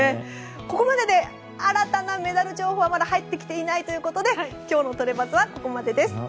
ここまでで新たなメダル情報は入ってきていないということで今日のトレバズはここまでです。